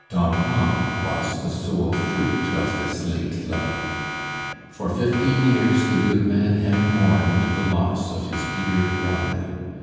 Don Juan was the sole fruit of this late love. For fifteen years the good man had mourned the loss of his dear Juana.